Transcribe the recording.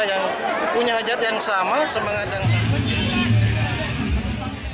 yang punya hajat yang sama semangat yang sama